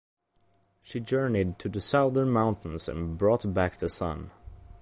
She journeyed to the southern mountains and brought back the sun.